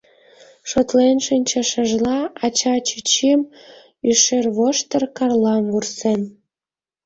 Шотлен шинчышыжла ача чӱчӱм, Ӱштервоштыр-Карлам вурсен.